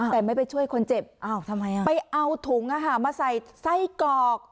แต่ไม่ไปช่วยคนเจ็บอ้าวทำไมอ่ะไปเอาถุงอ่ะฮะมาใส่ไส้กรอก